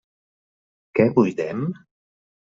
Què buidem?